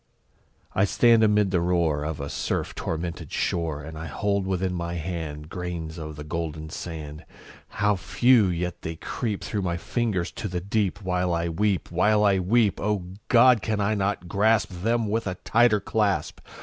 I stand amid the roar Of a surf tormented shore, And I hold within my hand Grains of the golden sand How few! yet how they creep Through my fingers to the deep, While I weep while I weep! O God! can I not grasp Them with a tighter clasp?